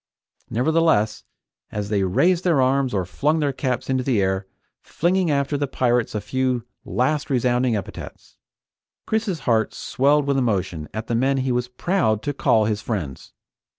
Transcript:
Nevertheless, as they raised their arms or flung their caps into the air, flinging after the pirates a few last resounding epithets. Chris's heart swelled with emotion at the men he was proud to call his friends.